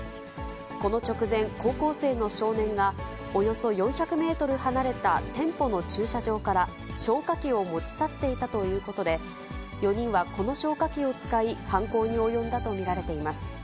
この直前、高校生の少年が、およそ４００メートル離れた店舗の駐車場から消火器を持ち去っていたということで、４人はこの消火器を使い、犯行に及んだと見られています。